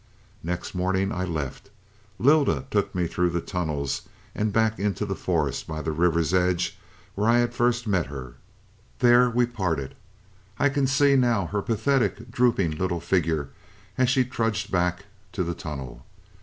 "Next morning I left. Lylda took me through the tunnels and back into the forest by the river's edge where I had first met her. There we parted. I can see, now, her pathetic, drooping little figure as she trudged back to the tunnel.